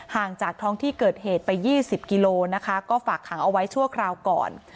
จากท้องที่เกิดเหตุไป๒๐กิโลนะคะก็ฝากขังเอาไว้ชั่วคราวก่อน